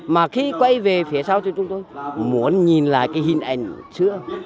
mà khi quay về phía sau thì chúng tôi muốn nhìn lại cái hình ảnh xưa